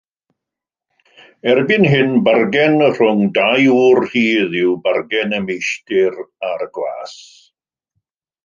Erbyn hyn bargen rhwng dau ŵr rhydd yw bargen y meistr a'r gwas.